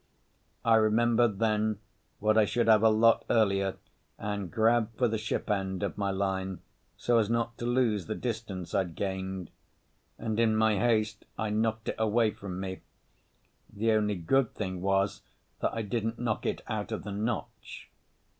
I remembered then what I should have a lot earlier, and grabbed for the ship end of my line so as not to lose the distance I'd gained—and in my haste I knocked it away from me. The only good thing was that I didn't knock it out of the notch.